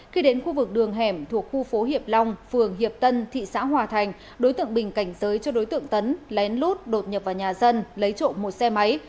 khi đến khu vực đường hẻm thuộc khu phố hiệp long phường hiệp tân thị xã hòa thành đối tượng bình cảnh giới cho đối tượng tấn lén lút đột nhập vào nhà dân lấy trộm một xe máy